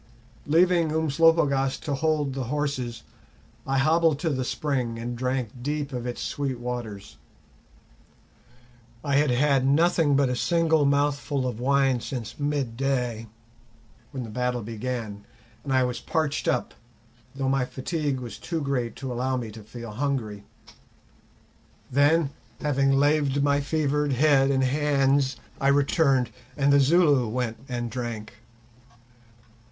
Leaving Umslopogaas to hold the horses, I hobbled to the spring and drank deep of its sweet waters. I had had nothing but a single mouthful of wine since midday, when the battle began, and I was parched up, though my fatigue was too great to allow me to feel hungry. Then, having laved my fevered head and hands, I returned, and the Zulu went and drank.